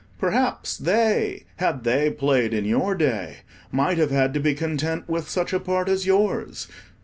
Perhaps they, had they played in your day, might have had to be content with such a part as yours.